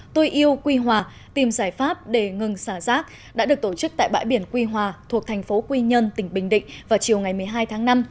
tôi yêu quy hòa tìm giải pháp để ngừng xả rác đã được tổ chức tại bãi biển quy hòa thuộc thành phố quy nhơn tỉnh bình định vào chiều ngày một mươi hai tháng năm